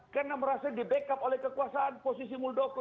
karena merasa di backup oleh kekuasaan posisi muldoko